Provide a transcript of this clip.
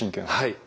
はい。